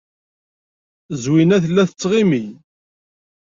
Zwina tella tettɣimi.